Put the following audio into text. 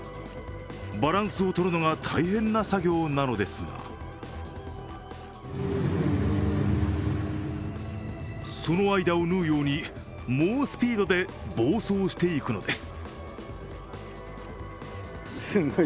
バランスをとるのが大変な作業なのですが、その間を縫うように猛スピードで暴走していくのです。